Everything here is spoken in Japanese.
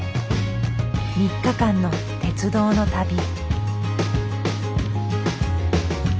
３日間の鉄道の旅。